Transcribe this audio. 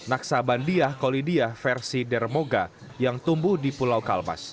naksabandiah kolidiah versi dermoga yang tumbuh di pulau kalmas